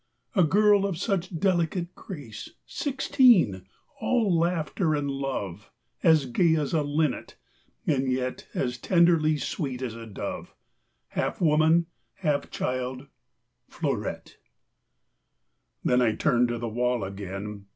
A girl of such delicate grace; Sixteen, all laughter and love; As gay as a linnet, and yet As tenderly sweet as a dove; Half woman, half child Fleurette. Then I turned to the wall again.